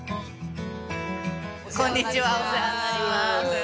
こんにちはお世話になります。